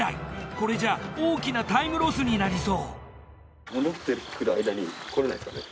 これじゃ大きなタイムロスになりそう。